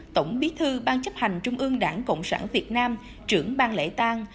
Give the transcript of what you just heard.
tổng bí thư ban chấp hành trung ương đảng cộng sản việt nam trưởng bang lễ tang